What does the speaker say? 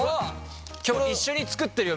一緒に作ってるよ